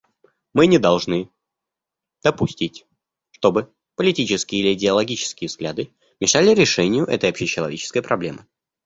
Мы не должны допустить, чтобы политические или идеологические взгляды мешали решению этой общечеловеческой проблемы.